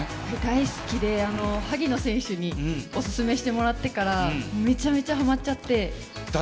大好きで、萩野選手におすすめしてもらってから、めちゃめちゃハマっちゃって。